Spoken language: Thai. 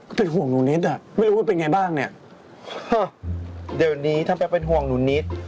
เป็นห่วงหนูนิดอ่ะไม่รู้ว่าเป็นไงบ้างเนี่ยเดี๋ยวนี้ถ้าแป๊เป็นห่วงหนูนิด